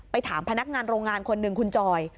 ถามพนักงานโรงงานคนหนึ่งคุณจอย